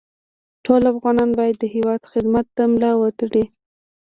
ټول افغانان باید د هېواد خدمت ته ملا وتړي